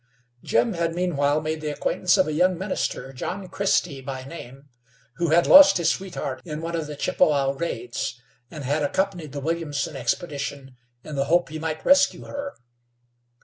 Jim had, meanwhile, made the acquaintance of a young minister, John Christy by name, who had lost his sweetheart in one of the Chippewa raids, and had accompanied the Williamson expedition in the hope he might rescue her.